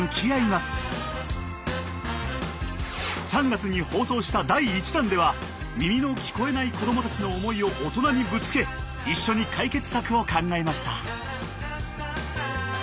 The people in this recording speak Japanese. ３月に放送した第１弾では耳の聞こえない子どもたちの思いを大人にぶつけ一緒に解決策を考えました。